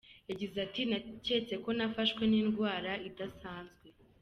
Yagize ati :”Naketse ko nafashwe n’indwara idasanzwe.